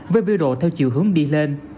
với biêu độ theo chiều hướng đi lên